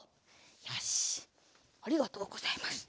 よしありがとうございます。